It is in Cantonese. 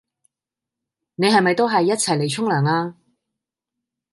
你係咪都係一齊嚟沖涼呀？